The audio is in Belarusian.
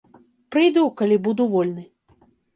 Прыйду, калі буду вольны.